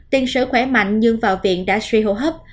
tiền sử khỏe mạnh nhưng vào viện đã suy hô hấp